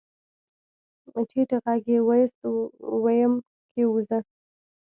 ټيټ غږ يې واېست ويم کېوځه.